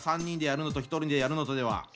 ３人でやるのと１人でやるのとでは。